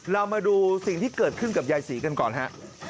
เรามาดูสิ่งที่เกิดขึ้นกับยายศรีกันก่อนฮะ